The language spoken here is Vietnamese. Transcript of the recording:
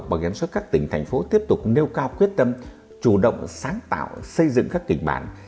bảo hiểm xuất các tỉnh thành phố tiếp tục nêu cao quyết tâm chủ động sáng tạo xây dựng các kịch bản